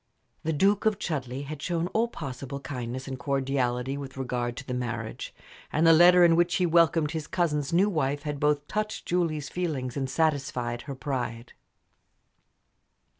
The Duke of Chudleigh had shown all possible kindness and cordiality with regard to the marriage, and the letter in which he welcomed his cousin's new wife had both touched Julie's feelings and satisfied her pride.